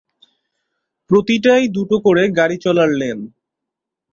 প্রতিটায় দুটো করে গাড়ি চলার লেন।